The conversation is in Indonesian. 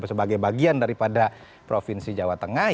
sebagai bagian daripada provinsi jawa tengah